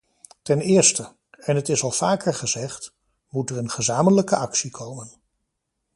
Ten eerste, en het is al vaker gezegd, moet er een gezamenlijke actie komen.